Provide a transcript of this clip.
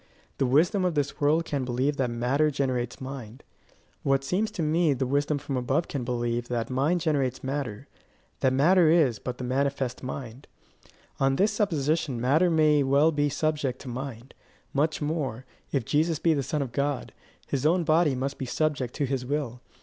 The wisdom of this world can believe that matter generates mind: what seems to me the wisdom from above can believe that mind generates matter that matter is but the manifest mind. On this supposition matter may well be subject to mind; much more, if Jesus be the Son of God, his own body must be subject to his will.